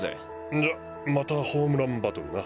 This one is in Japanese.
んじゃまたホームランバトルな。